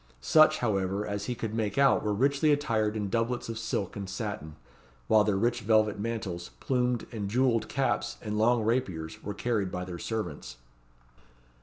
Such, however, as he could make out were richly attired in doublets of silk and satin, while their rich velvet mantles, plumed and jewelled caps, and long rapiers, were carried by their servants.